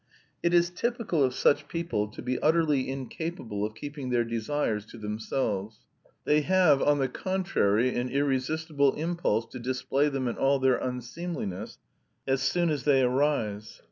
It is typical of such people to be utterly incapable of keeping their desires to themselves; they have, on the contrary, an irresistible impulse to display them in all their unseemliness as soon as they arise.